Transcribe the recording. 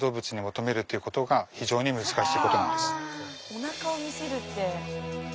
おなかを見せるって。